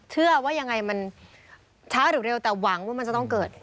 เชื่อว่ายังไงมันช้าหรือเร็วแต่หวังว่ามันจะต้องเกิด